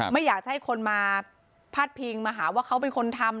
ไม่อยากจะให้คนมาพาดพิงมาหาว่าเขาเป็นคนทำ